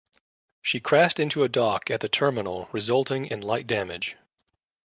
She crashed into a dock at the terminal resulting in light damage.